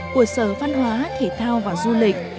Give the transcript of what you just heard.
của sở phan hóa thể thao và du lịch